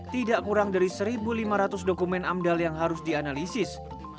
tidak kurang dari satu lima ratus dokumen amdal yang harus dianalisis